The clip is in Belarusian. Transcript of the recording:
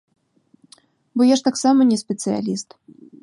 Бо я ж таксама не спецыяліст.